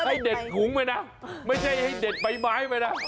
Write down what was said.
ให้เด็ดถุงไปนะไม่ใช่ให้เด็ดใบไม้ไปนะ